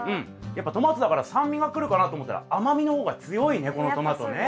やっぱトマトだから酸味がくるかなと思ったら甘みの方が強いねこのトマトね。